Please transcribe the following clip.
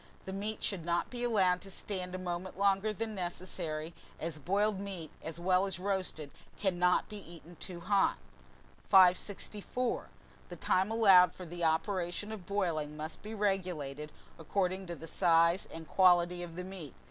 The meat should not be allowed to stand a moment longer than necessary, as boiled meat, as well as roasted, cannot be eaten too hot. 564. THE TIME ALLOWED FOR THE OPERATION OF BOILING must be regulated according to the size and quality of the meat.